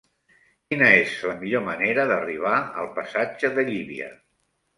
Quina és la millor manera d'arribar al passatge de Llívia?